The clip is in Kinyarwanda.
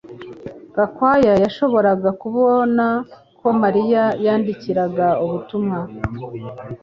Gakwaya yashoboraga kubona ko Mariya yandikiraga ubutumwa